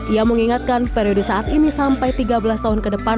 ia mengingatkan periode saat ini sampai tiga belas tahun ke depan